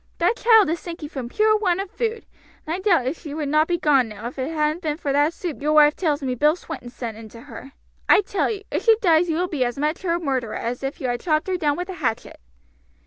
That child is sinking from pure want of food, and I doubt if she would not be gone now if it hadn't have been for that soup your wife tells me Bill Swinton sent in to her. I tell you, if she dies you will be as much her murderer as if you had chopped her down with a hatchet."